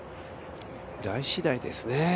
ライ次第ですね。